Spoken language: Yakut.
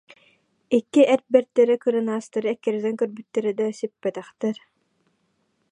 Икки эр бэртэрэ кырынаастары эккирэтэн көрбүттэр да, сиппэтэхтэр